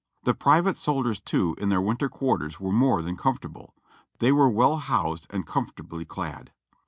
The private sol diers too in their winter quarters were more than comfortable, they w^ere well housed and comfortably clad.